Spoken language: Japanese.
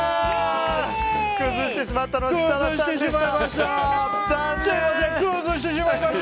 崩してしまったのは設楽さんでした。